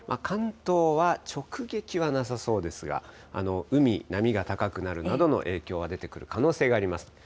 関東は直撃はなさそうですが、海、波が高くなるなどの影響は出てくる可能性があります。